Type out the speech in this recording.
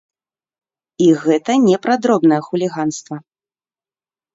І гэта не пра дробнае хуліганства!